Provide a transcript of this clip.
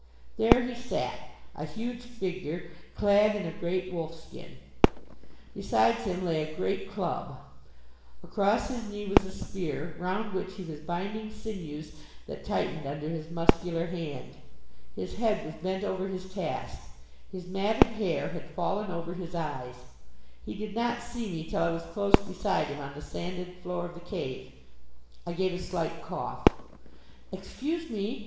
There he sat, a huge figure, clad in a great wolfskin. Besides him lay a great club. Across his knee was a spear round which he was binding sinews that tightened under his muscular hand. His head was bent over his task. His matted hair had fallen over his eyes. He did not see me till I was close beside him on the sanded floor of the cave. I gave a slight cough. "Excuse me!"